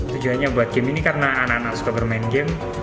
tujuannya buat game ini karena anak anak suka bermain game